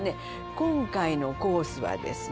今回のコースはですね